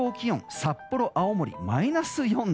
札幌、青森はマイナス４度。